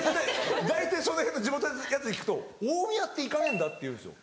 大体その辺の地元のヤツに聞くと「大宮って行かねえんだ」って言うんですよ。